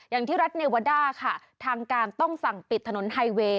อย่างที่รัฐเนวาด้าค่ะทางการต้องสั่งปิดถนนไฮเวย์